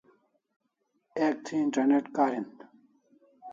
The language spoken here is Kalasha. Ek thi internet karin